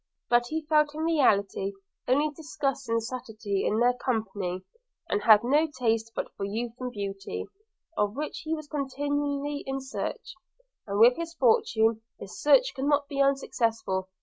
But he felt in reality only disgust and satiety in their company; and had no taste but for youth and beauty, of which he was continually in search – and with his fortune his search could not be unsuccessful.